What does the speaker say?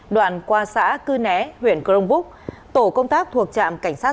đoàn qua xã cư né huyện crongbúc tổ công tác thuộc trạm cảnh sát